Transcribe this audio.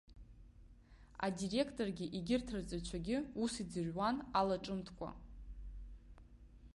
Адиректоргьы егьырҭ арҵаҩцәагьы ус иӡырҩуан алаҿымҭкәа.